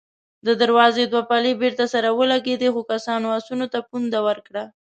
د دروازې دوې پلې بېرته سره ولګېدې، څو کسانو آسونو ته پونده ورکړه.